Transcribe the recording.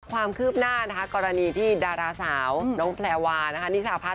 ความคืบหน้ากรณีที่ดาราสาวน้องแพลวานิชาพัฒน์